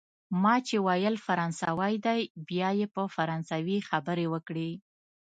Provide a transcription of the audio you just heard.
ما چي ویل فرانسوی دی، بیا یې په فرانسوي خبرې وکړې.